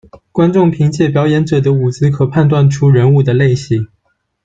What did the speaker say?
观众凭借表演者的舞姿可判断出人物的类型。